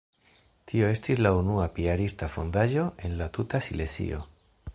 Tio estis la unua piarista fondaĵo en la tuta Silezio.